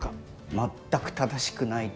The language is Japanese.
全く正しくないと。